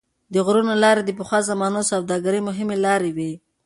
د غرونو لارې د پخوا زمانو د سوداګرۍ مهمې لارې وې.